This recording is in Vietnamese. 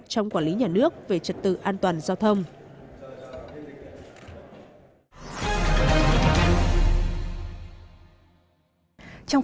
trong quản lý nhà nước về trật tự an toàn giao thông